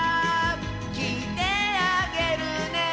「きいてあげるね」